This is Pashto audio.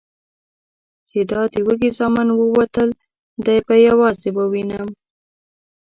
چې دا د وږي زامن ووتل، دی به یوازې ووینم؟